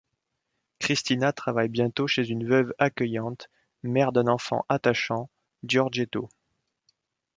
Cristina travaille bientôt chez une veuve accueillante, mère d'un enfant attachant, Giorgetto.